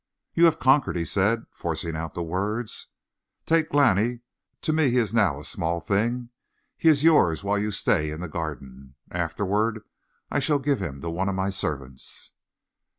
"You have conquered," he said, forcing out the words. "Take Glani; to me he is now a small thing. He is yours while you stay in the Garden. Afterward I shall give him to one of my servants."